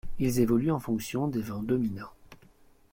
Ils évoluent en fonction des vents dominants.